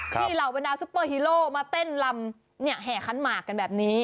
ที่เราเป็นดาวน์ซุเปอร์ฮีโร่มาเต้นลำแห่ขั้นหมากกันแบบนี้